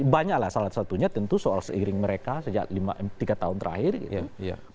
banyak lah salah satunya tentu soal seiring mereka sejak tiga tahun terakhir gitu